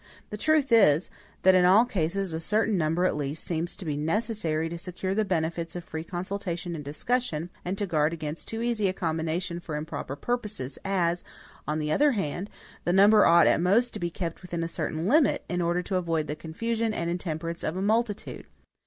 The truth is, that in all cases a certain number at least seems to be necessary to secure the benefits of free consultation and discussion, and to guard against too easy a combination for improper purposes; as, on the other hand, the number ought at most to be kept within a certain limit, in order to avoid the confusion and intemperance of a multitude.